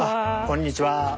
こんにちは。